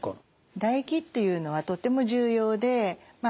唾液っていうのはとても重要でま